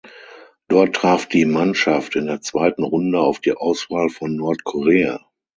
Dort traf die Mannschaft in der zweiten Runde auf die Auswahl von Nordkorea.